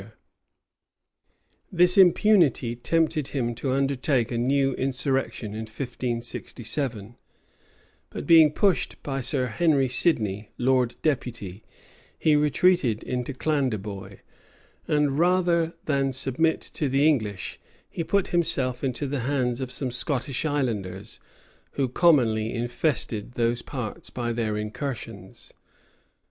305 This impunity tempted him to undertake a new insurrection in 1567; but being pushed by Sir Henry Sidney, lord deputy, he retreated into Clandeboy, and rather than submit to the English, he put himself into the hands of some Scottish islanders, who commonly infested those parts by their incursions.